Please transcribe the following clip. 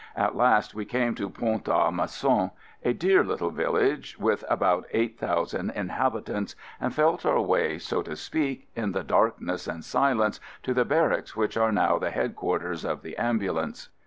At last we came to Pont a Mousson, a dear little village with about eight thousand inhabitants, and felt our way, so to speak, in the dark ness and silence to the barracks which are now the Headquarters of the Ambulance.